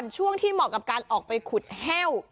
ช่วงที่เหมาะกับการออกไปขุดแห้ว